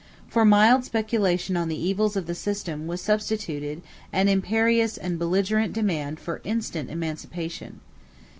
For mild speculation on the evils of the system was substituted an imperious and belligerent demand for instant emancipation.